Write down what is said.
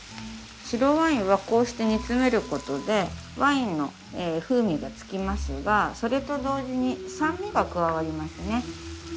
白ワインはこうして煮詰めることでワインの風味がつきますがそれと同時に酸味が加わりますね。